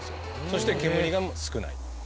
そして煙が少ない。